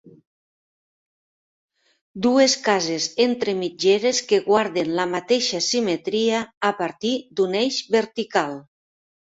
Dues cases entre mitgeres que guarden la mateixa simetria a partir d'un eix vertical.